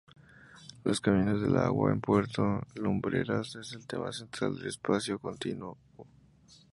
Los caminos del agua en Puerto Lumbreras es el tema central del espacio contiguo.